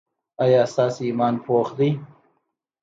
ایا ستاسو ایمان پاخه دی؟